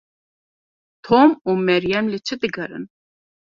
Tom û Meryem li çi digerin?